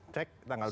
cek tanggal tujuh